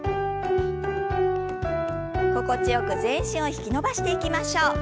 心地よく全身を引き伸ばしていきましょう。